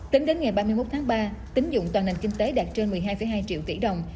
tính đến ngày ba mươi một tháng ba tính dụng toàn nền kinh tế đạt trên một mươi hai hai triệu tỷ đồng